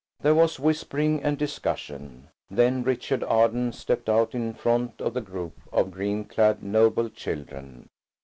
There was whispering and discussion. Then Richard Arden stepped out in front of the group of green clad noble children.